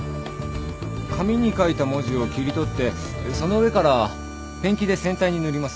紙に書いた文字を切り取ってその上からペンキで船体に塗ります。